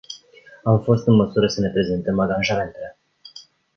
Am fost în măsură să ne prezentăm angajamentele.